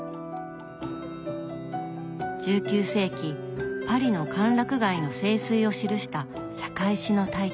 １９世紀パリの歓楽街の盛衰を記した社会史の大著